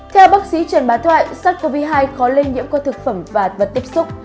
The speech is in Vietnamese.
theo bác sĩ trần bá thoại sars cov hai khó lây nhiễm qua thực phẩm và vật tiếp xúc